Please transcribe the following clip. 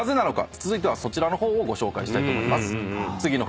続いてはそちらの方をご紹介したいと思います。